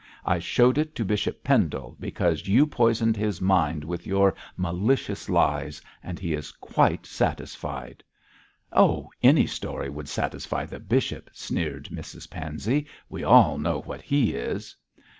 I showed it to Bishop Pendle, because you poisoned his mind with your malicious lies, and he is quite satisfied.' 'Oh, any story would satisfy the bishop,' sneered Mrs Pansey; 'we all know what he is!'